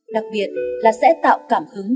đặc biệt là sẽ tạo cảm hứng